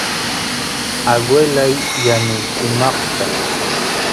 aguelay yanuy sumaqta